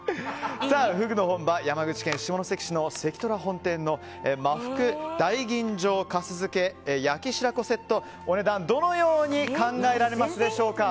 フグの本場・山口県下関市の関とら本店の真ふく大吟醸粕漬け・焼き白子セットのお値段、どのように考えられますでしょうか。